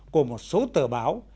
của một số tờ báo